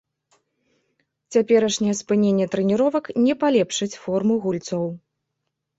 Цяперашняе спыненне трэніровак не палепшыць форму гульцоў.